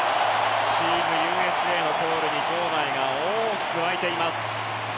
チームＵＳＡのコールに場内が大きく沸いています。